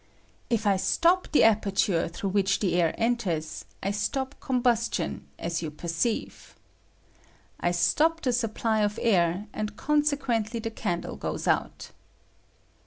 If I stop the aper ture through which the air enters, I stop com bustion, as jou perceive. I atop the supply of air, and consequently the candle goes out.